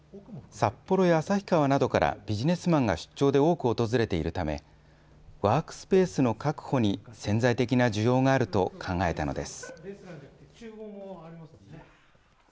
札幌や旭川などから、ビジネスマンが出張で多く訪れているため、ワークスペースの確保に潜在的な需要があると考えたのです。